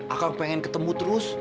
akang pengen ketemu terus